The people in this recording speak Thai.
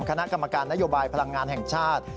คณะกรรมการนโยบายพลังงานแห่งชาติ